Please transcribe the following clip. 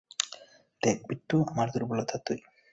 দেখ বিট্টু, আমার দুর্বলতা তুই।